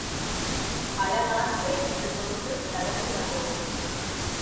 பல நாட்கள் இந்தத் தொண்டு நடந்துவந்தது.